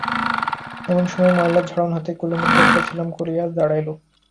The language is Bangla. এমন সময় ময়লা ঝাড়ন হাতে কলিমদ্দি আসিয়া সেলাম করিয়া দাঁড়াইল।